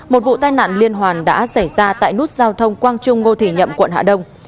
một vụ tai nạn liên hoàn đã xảy ra tại nút giao thông quang trung ngô thị nhậm quận hà đông